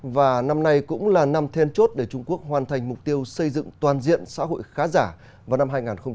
và năm nay cũng là năm then chốt để trung quốc hoàn thành mục tiêu xây dựng toàn diện xã hội khá giả vào năm hai nghìn hai mươi